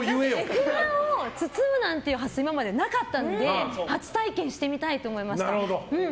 エクレアを包むなんて発想今までなかったので初体験してみたいと思いました。